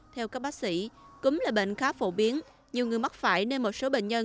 theo các bác sĩ cúm là bệnh khá phổ biến nhiều người mắc phải nên một số bệnh nhân